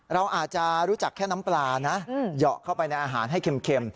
เราอาจจะรู้จักแค่น้ำปลานะเหยาะเข้าไปในอาหารให้เค็ม